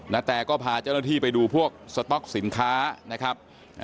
แตก็พาเจ้าหน้าที่ไปดูพวกสต๊อกสินค้านะครับ